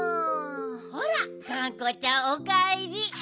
ほらがんこちゃんおかえり。